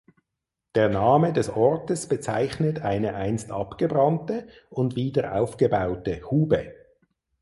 Der Name des Ortes bezeichnet eine einst abgebrannte und wieder aufgebaute Hube.